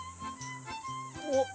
おっ！